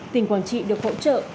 tỉnh quảng trị được hỗ trợ